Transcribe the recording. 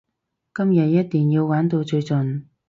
今日一定要玩到最盡！